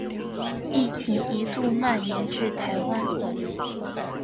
疫情一度蔓延至台湾。